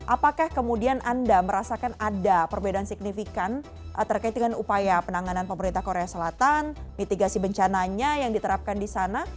apakah kemudian anda merasakan ada perbedaan signifikan terkait dengan upaya penanganan pemerintah korea selatan mitigasi bencananya yang diterapkan di sana